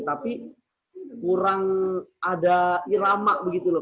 tapi kurang ada irama begitu loh